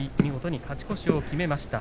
勝ち越しを決めました。